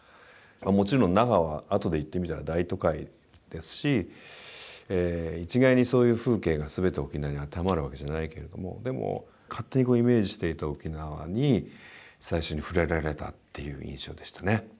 もちろん那覇はあとで行ってみたら大都会ですし一概にそういう風景が全て沖縄に当てはまるわけじゃないけれどもでも勝手にイメージしていた沖縄に最初に触れられたっていう印象でしたね。